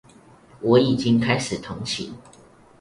我已經開始同情